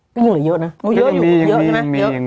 ก็ยังเหลือเยอะนะ